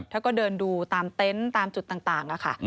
เขาก็เดินดูตามเต็นต์ตามจุดต่างค่ะ